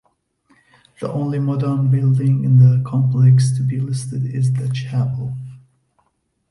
The only modern building in the complex to be listed is the chapel.